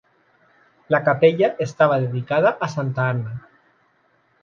La capella estava dedicada a Santa Anna.